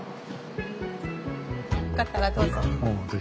よかったらどうぞ。